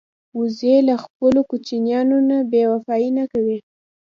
وزې له خپلو کوچنیانو نه بېوفايي نه کوي